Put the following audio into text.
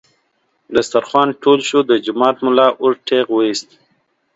دسترخوان ټول شو، د جومات ملا اوږد ټېغ ویست.